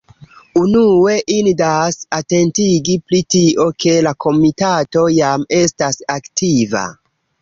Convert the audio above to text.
Unue indas atentigi pri tio, ke la Komitato jam estas aktiva.